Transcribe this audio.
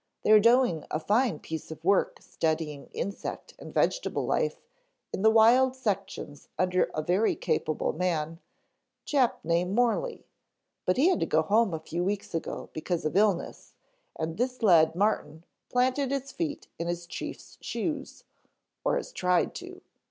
They are doing a fine piece of work studying insect and vegetable life in the wild sections under a very capable man, chap named Morley, but he had to go home a few weeks ago because of illness and this lad Martin planted his feet in his chief's shoes, or has tried to.